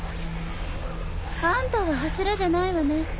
あんたは柱じゃないわね。